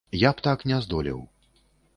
Я б так не здолеў.